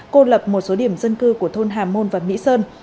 cô lập một số điểm dân cư của thôn hà môn và mỹ sơn